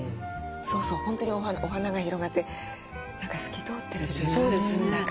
そうそう本当にお花が広がって何か透き通ってるみたいなそんな感じ。